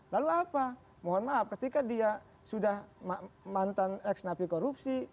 lalu apa mohon maaf ketika dia sudah mantan ex napi korupsi